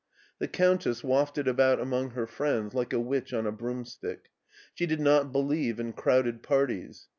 The Countess wafted about among her friends like a witch en a broomstick. She did not believe in crowded parties.